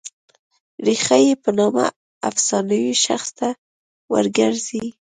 ریښه یې په نامه افسانوي شخص ته ور ګرځي.